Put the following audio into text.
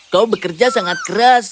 kau bekerja sangat keras